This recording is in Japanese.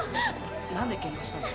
何でケンカしたの？